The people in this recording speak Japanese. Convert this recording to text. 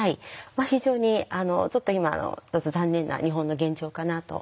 非常にちょっと今の残念な日本の現状かなと思っています。